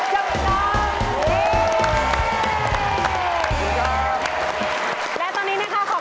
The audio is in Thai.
โต๊ะกับเก้าอี้มันดูทนผมให้๑๐๐๐บาทครับ